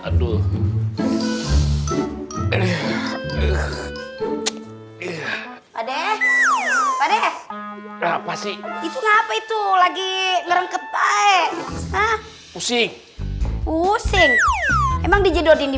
aduh aduh aduh aduh aduh apa sih itu lagi ngerempet pusing pusing emang dijodohin di